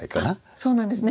そうなんですね。